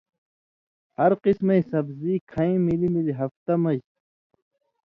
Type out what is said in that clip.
ہر قسمَیں سبزی کَھیں ملی ملی ہفتہ مژ